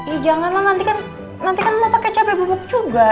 eh jangan lah nanti kan mau pake cabai bubuk juga